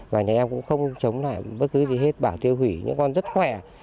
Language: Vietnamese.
và nhà em cũng không chống lại bất cứ gì hết bảo tiêu hủy những con rất khỏe